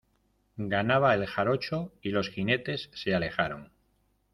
ganaba el jarocho, y los jinetes se alejaron: